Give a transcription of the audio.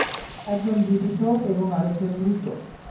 একজন জীবিত এবং আরেকজন মৃত।